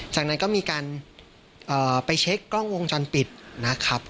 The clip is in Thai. จากนั้นก็มีการไปเช็คกล้องวงจรปิดนะครับ